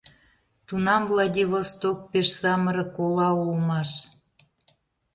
Тунам Владивосток пеш самырык ола улмаш.